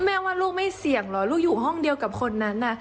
แม่ว่าลูกไม่เสี่ยงเหรอลูกอยู่ห้องเดียวกับคนนั้นน่ะ